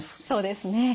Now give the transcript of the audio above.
そうですね。